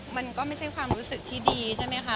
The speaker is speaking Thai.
มันก็ไม่ใช่ความรู้สึกที่ดีใช่ไหมคะ